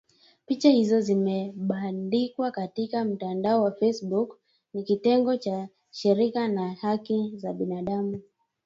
Picha hizo zimebandikwa katika mtandao wa facebook na kitengo cha shirika la haki za binadamu